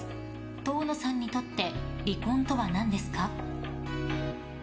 遠野さんにとって離婚とは何ですか？